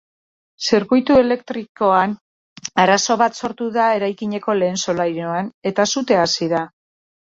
Zirkuitu elektrikoan arazo bat sortu da eraikineko lehen solairuan eta sutea hasi da.